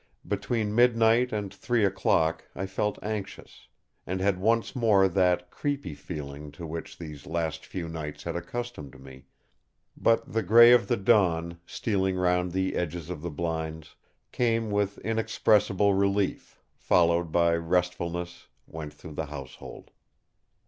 Between midnight and three o'clock I felt anxious, and had once more that creepy feeling to which these last few nights had accustomed me; but the grey of the dawn, stealing round the edges of the blinds, came with inexpressible relief, followed by restfulness, went through the household.